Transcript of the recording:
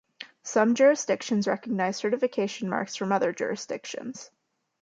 Some jurisdictions recognise certification marks from other jurisdictions.